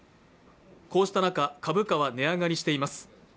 こうした中、株価は値上がりしています。